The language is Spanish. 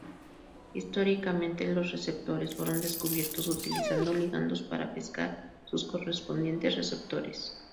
Históricamente, los receptores fueron descubiertos utilizando ligandos para "pescar" sus correspondientes receptores.